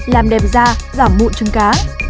làm đẹp da giảm mụn trứng cá